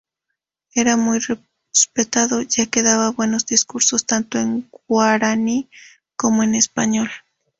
Era muy respetado, ya que daba buenos discursos, tanto en guaraní, como en español.